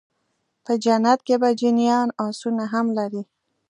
په جنت کي به جنيان آسونه هم لري